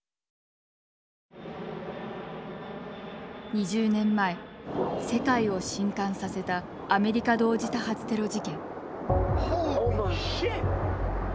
２０年前世界を震撼させたアメリカ同時多発テロ事件。